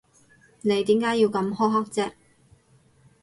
你點解要咁苛刻啫？